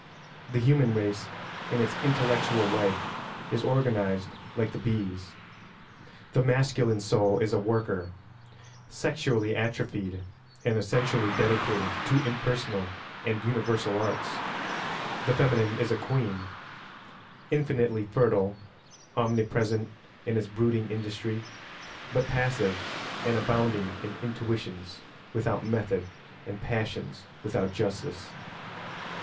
The human race, in its intellectual life, is organised like the bees: the masculine soul is a worker, sexually atrophied, and essentially dedicated to impersonal and universal arts; the feminine is a queen, infinitely fertile, omnipresent in its brooding industry, but passive and abounding in intuitions without method and passions without justice.